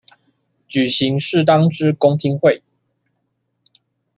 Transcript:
舉行適當之公聽會